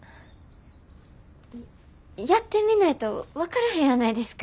やってみないと分からへんやないですか。